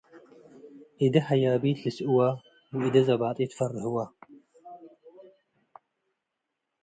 እዴ ሀያቢት ልስእወ ወእዴ ዘባጢት ፈርህወ።